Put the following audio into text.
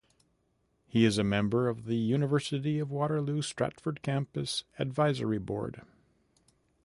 He is a member of the University of Waterloo Stratford Campus Advisory Board.